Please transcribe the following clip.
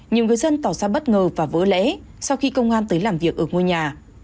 nhiều người dân tỏ ra bất ngờ và vỡ lẽ sau khi công an tới làm việc ở ngôi nhà